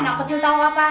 anak kecil tau apa